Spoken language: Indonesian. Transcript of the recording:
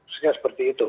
sebenarnya seperti itu